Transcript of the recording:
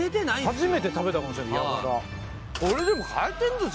初めて食べたかも知れないです